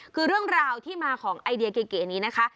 คือเรื่องราวที่มาของไอเดียเก๋นี้นะคะ